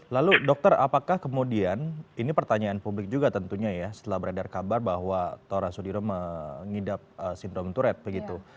lalu dokter apakah kemudian ini pertanyaan publik juga tentunya ya setelah beredar kabar bahwa tora sudiro mengidap sindrom touret begitu